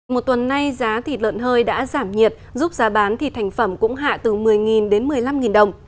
một tuần nay giá thịt lợn hơi đã giảm nhiệt giúp giá bán thịt thành phẩm cũng hạ từ một mươi đến một mươi năm đồng